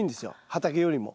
畑よりも。